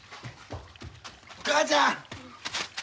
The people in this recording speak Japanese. お母ちゃん！